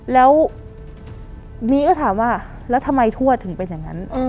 แล้วนี่ก็ถามว่าแล้วทำไมทวดถึงเป็นอย่างนั้น